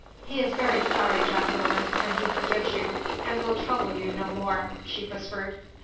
"He is very sorry, Jacqueline, and he forgives you and will trouble you no more," she whispered.